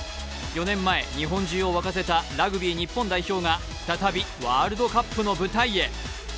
４年前、日本中を沸かせたラグビー日本代表が再びワールドカップの舞台へ。